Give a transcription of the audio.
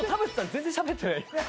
ずっとしゃべってない。